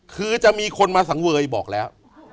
คือจะมีคนมาสังเวยบอกแล้ว